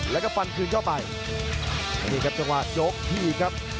แล้วก็ฟันคืนเข้าไปแล้วนี่ครับจังหวะยกถีบครับ